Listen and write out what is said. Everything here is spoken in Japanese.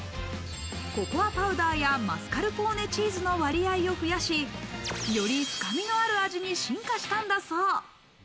ココアパウダーやマスカルポーネチーズの割合を増やし、より深みのある味に進化したんだそう。